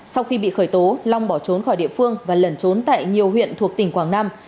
sau khi bị khởi tố long bỏ trốn khỏi địa phương và lẩn trốn tại nhiều huyện thuộc tỉnh quảng nam